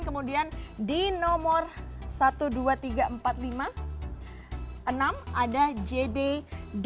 kemudian di nomor satu ratus dua puluh tiga ribu empat ratus lima puluh enam ada jd id